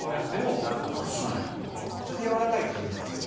ちょっとやわらかい感じなんですか？